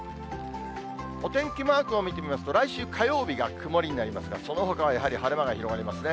お天気マークを見てみますと、来週火曜日が曇りになりますが、そのほかはやはり晴れ間が広がりますね。